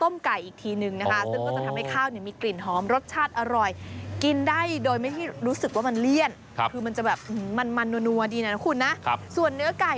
มันมันนั่วดีนะคุณนะส่วนเนื้อไก่